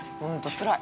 つらい。